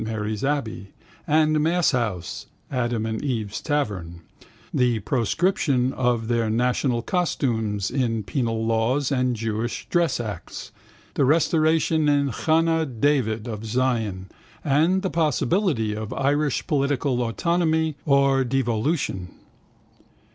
Mary's Abbey) and masshouse (Adam and Eve's tavern): the proscription of their national costumes in penal laws and jewish dress acts: the restoration in Chanah David of Zion and the possibility of Irish political autonomy or devolution.